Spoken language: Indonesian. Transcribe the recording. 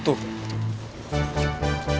thank you sun